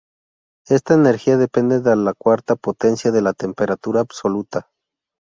Esta energía depende de la cuarta potencia de la temperatura absoluta.